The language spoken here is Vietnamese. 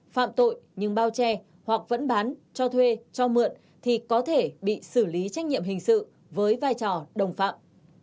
phạm tội nhưng bao che hoặc vẫn bán cho thuê cho mượn thì có thể bị xử lý trách nhiệm hình sự với vai trò đồng phạm